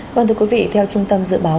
quán thưa quý vị theo trung tâm dự báo